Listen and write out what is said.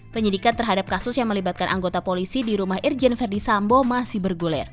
penyidikan terhadap kasus yang melibatkan anggota polisi di rumah irjen verdi sambo masih bergulir